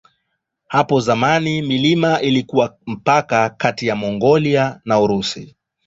Hapo zamani milima ilikuwa mpaka kati ya Mongolia na Urusi.